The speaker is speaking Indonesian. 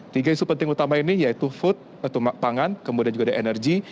tiga isu penting utama ini yaitu food pangan kemudian juga ada energi